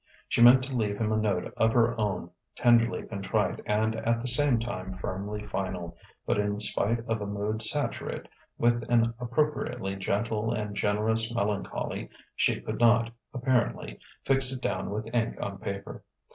She meant to leave him a note of her own, tenderly contrite and at the same time firmly final; but in spite of a mood saturate with an appropriately gentle and generous melancholy, she could not, apparently, fix it down with ink on paper.